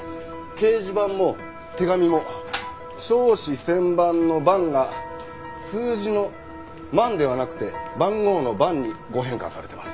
掲示板も手紙も笑止千万の「ばん」が数字の「万」ではなくて番号の「番」に誤変換されてます。